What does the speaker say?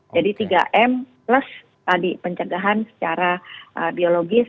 jadi tiga m plus tadi pencegahan secara biologis